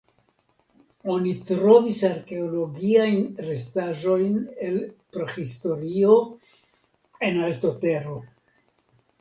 Oni trovis arkeologiajn restaĵojn el Prahistorio en Altotero.